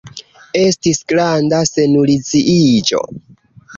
Estis granda seniluziiĝo.